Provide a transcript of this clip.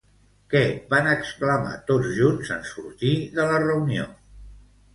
Què van exclamar tot junts en sortir de la reunió?